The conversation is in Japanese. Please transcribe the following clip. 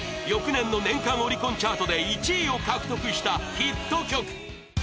翌年の年間オリコンチャートで１位を獲得したヒット曲。